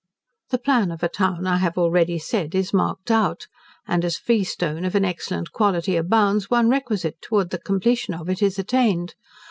The plan of a town I have already said is marked out. And as freestone of an excellent quality abounds, one requisite towards the completion of it is attained.